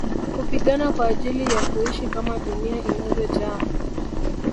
Kupigana kwa ajili ya kuishi kama dunia inavyojaa